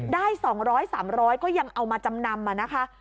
ได้๒๐๐๓๐๐ก็ยังเอามาจำนำนะคะ